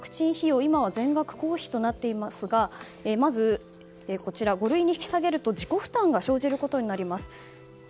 今は全額公費となっていますがまず五類に引き下げると自己負担が生じることになります。